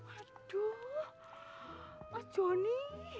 aduh mas joni